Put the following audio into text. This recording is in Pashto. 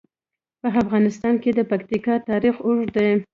په افغانستان کې د پکتیکا تاریخ اوږد دی.